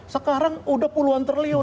sekarang udah puluhan triliun